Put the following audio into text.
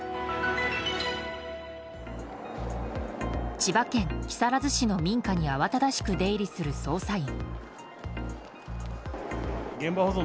千葉県木更津市の民家に慌ただしく出入りする捜査員。